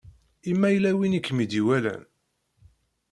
I ma yella win i kem-id-iwalan?